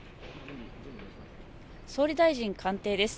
総理大臣官邸です。